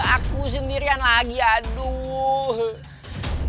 aku sendirian lagi aduh